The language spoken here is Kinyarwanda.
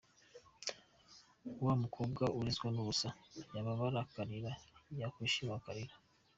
Wa mukobwa urizwa n’ubusa, yababara akarira yakwishima akarira.